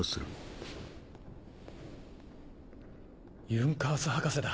・ユンカース博士だ。